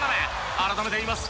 改めて言います。